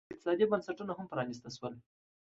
اقتصادي بنسټونه هم پرانیستي شول.